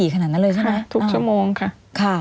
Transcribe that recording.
ค่ะทุกชั่วโมงค่ะ